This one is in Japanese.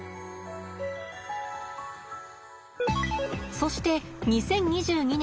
そして２０２２年秋。